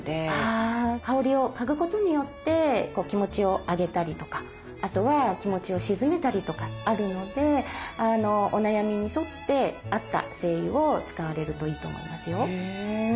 あ香りを嗅ぐことによって気持ちを上げたりとかあとは気持ちを静めたりとかあるのでお悩みに沿って合った精油を使われるといいと思いますよ。